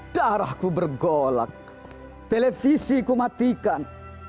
darahku bergolak televisiku matikan